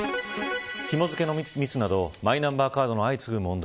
ひも付けのミスなどマイナンバーカードの相次ぐ問題